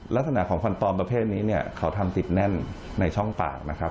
ลักษณะของคอนปลอมประเภทนี้เนี่ยเขาทำติดแน่นในช่องปากนะครับ